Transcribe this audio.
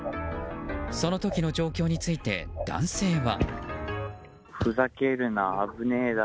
その時の状況について、男性は。